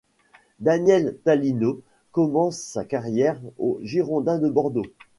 Daniel Tallineau commence sa carrière aux Girondins de Bordeaux.